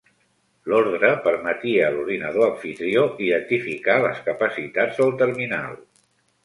L'ordre permetia a l'ordinador amfitrió identificar les capacitats del terminal.